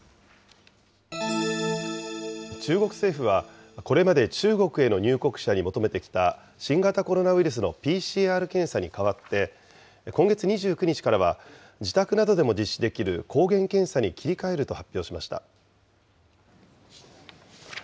中国政府は、これまで中国への入国者に求めてきた新型コロナウイルスのＰＣＲ検査に代わって、今月２９日からは、自宅などでも実施できる抗原検査に切り替えると発表しました。